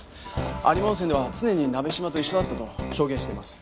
有馬温泉では常に鍋島と一緒だったと証言しています。